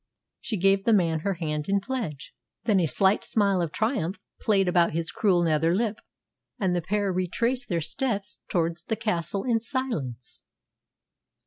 She gave the man her hand in pledge. Then a slight smile of triumph played about his cruel nether lip, and the pair retraced their steps towards the castle in silence.